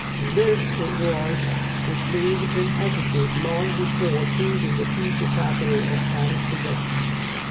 This it was which made him hesitate long before choosing the future capital of the Spanish possessions.